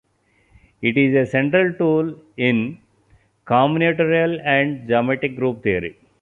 It is a central tool in combinatorial and geometric group theory.